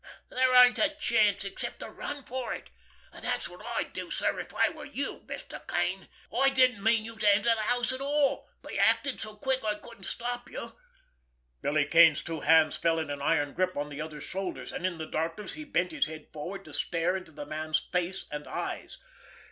There ain't a chance, except to run for it—and that's what I'd do, sir, if I were you, Mr. Kane. I didn't mean you to enter the house at all, but you acted so quick I couldn't stop you." Billy Kane's two hands fell in an iron grip on the other's shoulders, and in the darkness he bent his head forward to stare into the man's face and eyes.